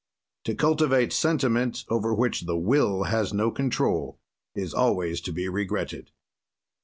To cultivate sentiment over which the Will has no control is always to be regretted.